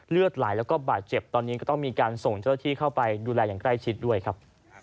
เลือดไหลแล้วก็บาดเจ็บตอนนี้ก็ต้องมีการส่งเจ้าที่เข้าไปดูแลอย่างใกล้ชิดด้วยครับ